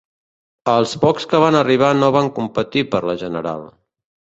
Els pocs que van arribar no van competir per la general.